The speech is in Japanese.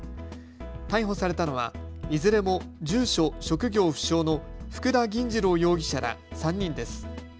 逮捕されたのはいずれも住所・職業不詳の福田銀次郎容疑者ら３人です。